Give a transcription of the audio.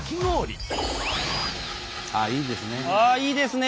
あっいいですね。